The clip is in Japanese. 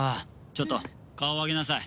ちょっと顔を上げなさい。